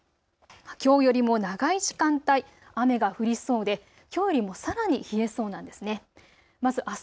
きょうよりも長い時間帯、雨が降りそうできょうよりもさらに冷えそうなんです。